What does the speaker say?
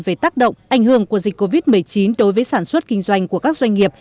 về tác động ảnh hưởng của dịch covid một mươi chín đối với sản xuất kinh doanh của các doanh nghiệp